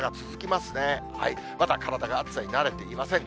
まだ体が暑さに慣れていません。